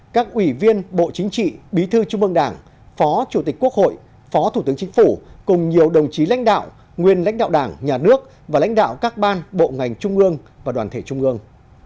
các ủy viên bộ chính trị bí thư trung ương đảng phó chủ tịch quốc hội phó thủ tướng chính phủ cùng nhiều đồng chí lãnh đạo nguyên lãnh đạo đảng nhà nước và lãnh đạo các ban bộ ngành trung ương và đoàn thể trung ương